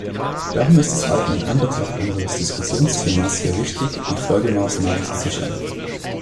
Darum ist es auch in Anbetracht unseres Diskussionsthemas hier wichtig, die Folgemaßnahmen zu sichern.